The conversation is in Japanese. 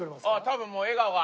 多分もう笑顔が。